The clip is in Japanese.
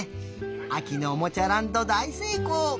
あきのおもちゃランドだいせいこう！